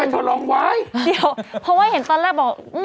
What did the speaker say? ทำไมเธอลองไว้เดี๋ยวเพราะว่าเห็นตอนแรกบอกอืม